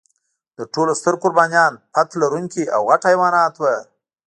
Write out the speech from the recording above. تر ټولو ستر قربانیان پت لرونکي او غټ حیوانات و.